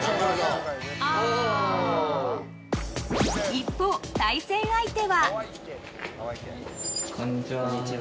一方、対戦相手は。